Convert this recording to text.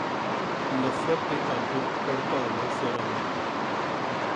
ਨਫਰਤ ਦੀ ਅੱਗ ਭੜਕਾਵੋ ਜ਼ਰਾ ਨਾ